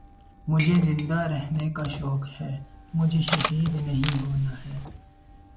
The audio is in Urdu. مجھے زندہ رہنے کا شوق ہے مجھے شہید نہیں ہونا ہے